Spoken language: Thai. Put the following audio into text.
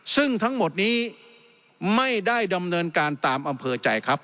ซึ่งทั้งหมดนี้ไม่ได้ดำเนินการตามอำเภอใจครับ